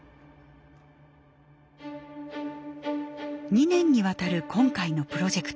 ２年にわたる今回のプロジェクト。